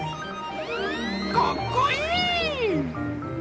かっこいい！